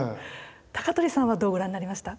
高取さんはどうご覧になりました？